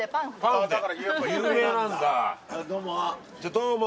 どうも。